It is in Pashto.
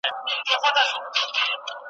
دا بری او سخاوت دی چي ژوندی دي سي ساتلای .